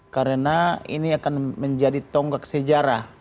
karena ini akan menjadi tonggak sejarah